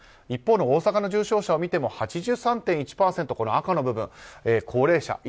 一方の大阪の重症を見ても８３．１％が赤の部分、高齢者。